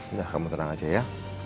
nah kamu tenang aja ya